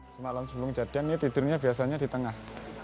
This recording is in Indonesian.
semalam sebelum jadian dia tidurnya biasanya di tengah